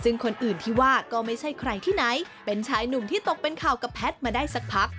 ซึ่งคนอื่นที่ว่าก็ไม่ใช่ใครที่ไหนเป็นชายหนุ่มที่ตกเป็นข่าวกับแพทย์มาได้สักพัก